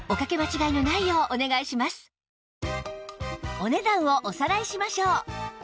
お値段をおさらいしましょう